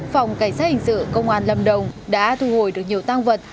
phòng cảnh sát hình sự công an lâm đồng đã thu hồi được nhiều tăng vật